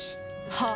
はあ？